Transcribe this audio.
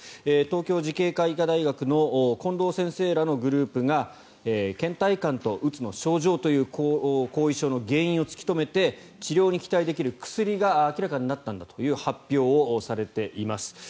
東京慈恵会医科大学の近藤先生らのグループがけん怠感とうつの症状という後遺症の原因を突き止めて治療に期待できる薬が明らかになったんだという発表をされています。